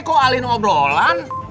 kok alihkan obrolan